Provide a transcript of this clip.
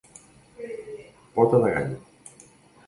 Pota de gall.